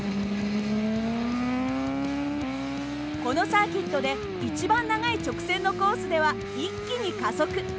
このサーキットで一番長い直線のコースでは一気に加速。